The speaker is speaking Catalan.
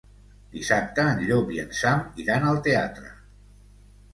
Dissabte en Llop i en Sam iran al teatre.